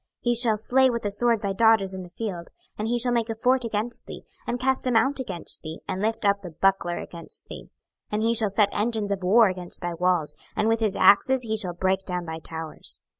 26:026:008 He shall slay with the sword thy daughters in the field: and he shall make a fort against thee, and cast a mount against thee, and lift up the buckler against thee. 26:026:009 And he shall set engines of war against thy walls, and with his axes he shall break down thy towers.